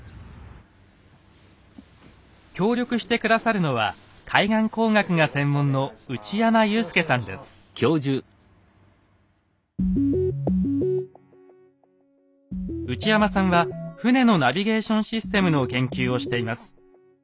協力して下さるのは海岸工学が専門の内山さんは船のナビゲーションシステムの研究をしています。